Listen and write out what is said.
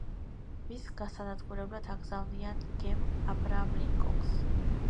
მის გასანადგურებლად აგზავნიან გემ „აბრაამ ლინკოლნს“.